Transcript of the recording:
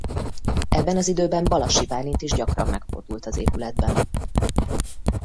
Ebben az időben Balassi Bálint is gyakran megfordult az épületben.